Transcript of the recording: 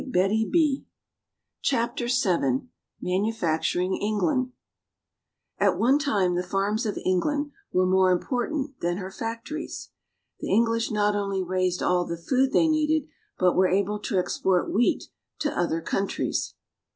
"See that man with the white smock over his clothes." AT one time the farms of England were more important than her factories. The English not only raised all the food they needed, but were able to export wheat to other countries.